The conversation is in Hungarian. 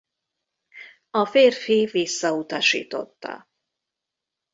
A férfi visszautasította.